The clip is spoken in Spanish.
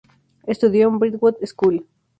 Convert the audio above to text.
Estudió en la Brentwood School.